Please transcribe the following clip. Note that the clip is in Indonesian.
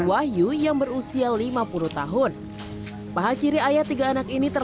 wahyu yang berusia lima puluh tahun paha kiri ayah tiga anak ini terluka akibat serangan anjing saat baru